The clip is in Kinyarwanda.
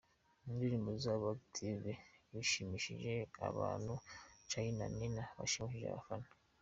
Mu ndirimbo zabo Active bashimishije abantuCharly na Nina bashimishije abafana.